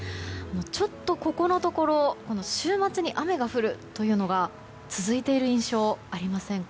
ちょっとここのところ週末に雨が降るというのが続いている印象ありませんか？